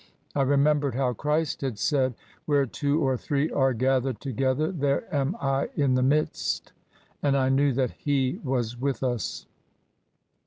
I remembered how Christ had said, * Where two or three are gathered together ^ there am I in the midst! And I knew that He was with us.